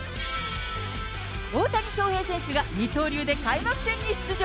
大谷翔平選手が二刀流で開幕戦に出場。